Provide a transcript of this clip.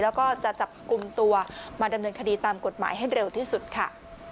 แล้วก็จะจับกลุ่มตัวมาดำเนินคดีตามกฎหมายให้เร็วที่สุดค่ะ